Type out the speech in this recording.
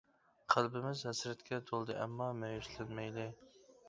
قەلبىمىز ھەسرەتكە تولدى ئەمما مەيۈسلەنمەيلى!